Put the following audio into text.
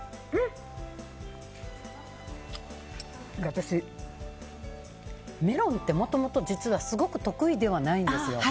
私、メロンってもともと実はすごく得意ではないんですよ。